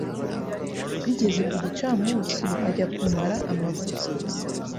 bigeze ku gicamunsi ajya kumara amavuta